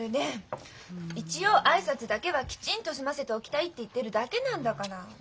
一応挨拶だけはきちんと済ませておきたいって言ってるだけなんだから。